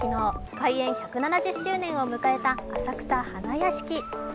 開園１７０周年を迎えた浅草花やしき